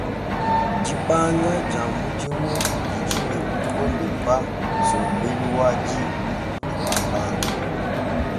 Dipanga dia mudimu didi ne bukole pa nsombelu wa dîku ne wa bantu.